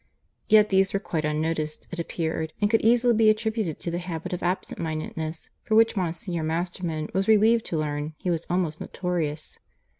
Yet these were quite unnoticed, it appeared, and could easily be attributed to the habit of absent mindedness for which, Monsignor Masterman was relieved to learn, he was almost notorious.